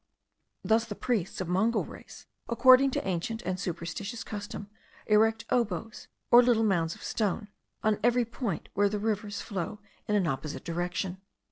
Thus the priests of Mongol race, according to ancient and superstitious custom, erect oboes, or little mounds of stone, on every point where the rivers flow in an opposite direction.